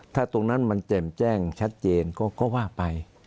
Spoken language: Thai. ถ้าตรงนั้นมันแจ่มแจ้งชัดเจนก็ว่าไป